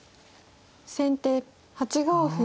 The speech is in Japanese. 先手８五歩。